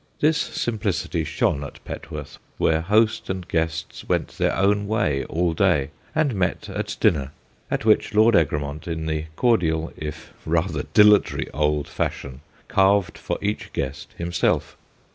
This simplicity shone at Petworth, where host and guests went their own way all day, and met at dinner, at which Lord Egremont in the cordial if rather dilatory old fashion carved for each guest himself.